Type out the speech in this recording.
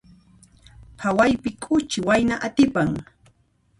Phawaypi k'uchi wayna atipan.